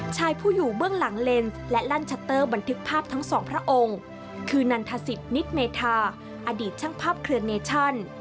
ชายผู้อยู่เบื้องหลังเลนส์และลั่นชัตเตอร์บันทึกภาพทั้งสองพระองค์คือนันทศิษย์นิตเมธาอดีตช่างภาพเครือเนชั่น